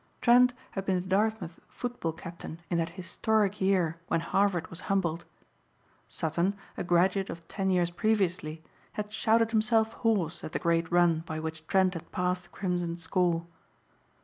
Trent had been the Dartmouth football captain in that historic year when Harvard was humbled. Sutton, a graduate of ten years previously, had shouted himself hoarse at the great run by which Trent had passed the crimson score.